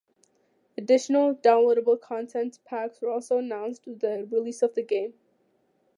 Additional downloadable content packs were also announced with the release of the game.